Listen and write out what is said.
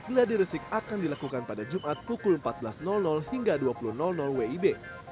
geladiresik akan dilakukan pada jumat pukul empat belas hingga dua puluh wib